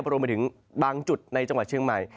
รวมไปถึงบางจุดในจังหวัดเชียงใหม่